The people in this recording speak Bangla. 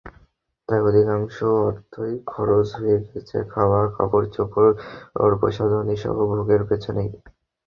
তাই অধিকাংশ অর্থই খরচ হয়ে যায় খাওয়া, কাপড়চোপড়, প্রসাধনীসহ ভোগের পেছনেই।